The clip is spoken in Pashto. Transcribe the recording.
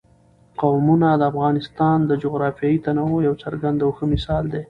قومونه د افغانستان د جغرافیوي تنوع یو څرګند او ښه مثال دی.